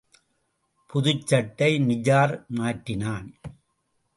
புதுச் சட்டை, நிஜார் மாற்றினான்.